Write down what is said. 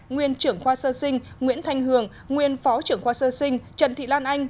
nguyên trưởng khoa sơ sinh nguyễn thanh hường nguyên phó trưởng khoa sơ sinh trần thị lan anh